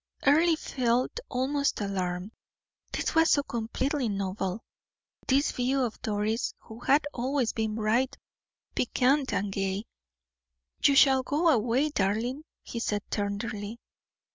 Earle felt almost alarmed; this was so completely novel, this view of Doris, who had always been bright, piquant, and gay. "You shall go away, darling," he said, tenderly.